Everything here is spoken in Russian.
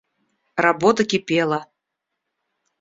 Работа кипела.